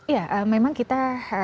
ya memang kita